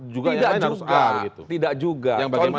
juga yang lain harus a begitu tidak juga